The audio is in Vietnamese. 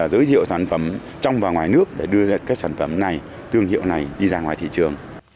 giới thiệu sản phẩm trong và ngoài nước để đưa ra các sản phẩm này thương hiệu này đi ra ngoài thị trường